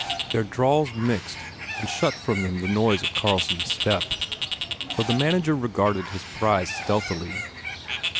Their drawls mixed and shut from them the noise of Carlson s step, so the manager regarded his prize stealthily.